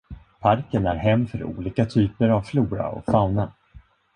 Parken är hem för olika typer av flora och fauna.